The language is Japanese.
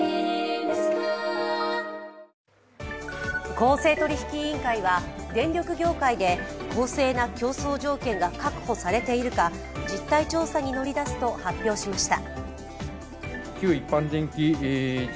公正取引委員会は電力業界で公正な競争条件が確保されているか、実態調査に乗りだすと発表しました。